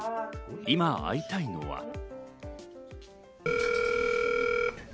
今、会いたいのは。